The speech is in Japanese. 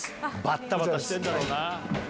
バタバタしてんだろうな。